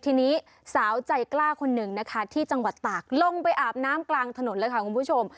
ทีนี้สาวใจกล้าคนหนึ่งนะคะที่จังหวัดตากลงไปอาบน้ำกลางถนนเลยค่ะคุณผู้ชม